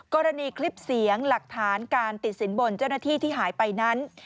คลิปเสียงหลักฐานการติดสินบนเจ้าหน้าที่ที่หายไปนั้น